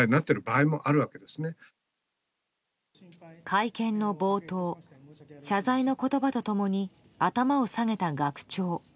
会見の冒頭謝罪の言葉と共に頭を下げた学長。